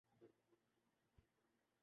Cook Islands